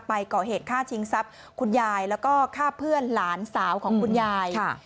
ก่อเหตุฆ่าชิงทรัพย์คุณยายแล้วก็ฆ่าเพื่อนหลานสาวของคุณยาย